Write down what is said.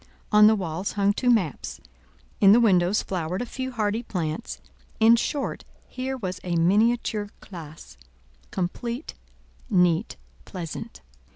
On the walls hung two maps; in the windows flowered a few hardy plants; in short, here was a miniature classe—complete, neat, pleasant.